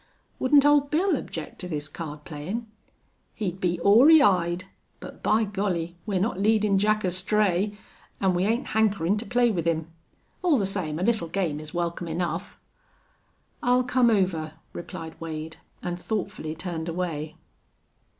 "Wouldn't Old Bill object to this card playin'?" "He'd be ory eyed. But, by Golly! we're not leadin' Jack astray. An' we ain't hankerin' to play with him. All the same a little game is welcome enough." "I'll come over," replied Wade, and thoughtfully turned away.